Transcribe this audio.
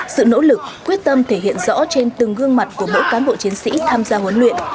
sự nỗ lực quyết tâm thể hiện rõ trên từng gương mặt của mỗi cán bộ chiến sĩ tham gia huấn luyện